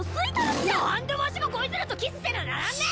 なーんでわしがこいつらとキスせなならんねん！